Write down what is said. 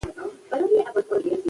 قانون د ټولنې ستنه ده